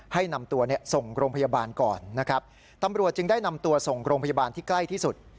ให้นำตัวเนี่ยส่งโรงพยาบาลก่อนนะครับตำรวจจึงได้นำตัวส่งโรงพยาบาลที่ใกล้ที่สุด